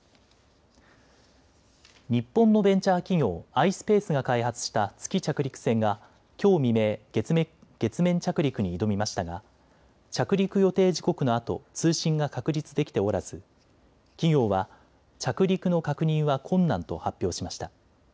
日本のベンチャー企業、ｉｓｐａｃｅが開発した月着陸船がきょう未明、月面着陸に挑みましたが着陸予定時刻のあと通信が確立できておらず、企業は着陸の確認は困難と発表しました。